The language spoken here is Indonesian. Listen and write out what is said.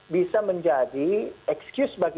bisa menjadi excuse bagi